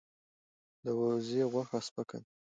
د وزې غوښه سپکه ده.